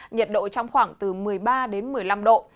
nhiệt độ trong khoảng từ một mươi ba đến một mươi năm độ